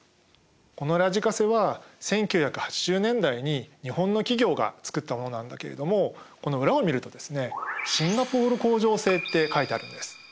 このラジカセは１９８０年代に日本の企業が作ったものなんだけれどもこの裏を見るとですねシンガポール工場製って書いてあるんです。